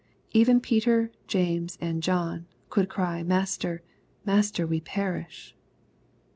Even Peter, James, and John, could cry, "Master, Master, we perish."